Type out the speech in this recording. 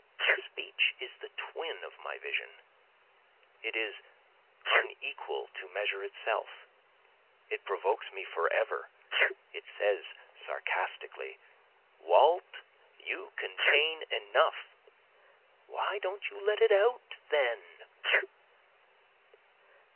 Speech is the twin of my vision, it is unequal to measure itself, It provokes me forever, it says sarcastically, Walt you contain enough, why don't you let it out then?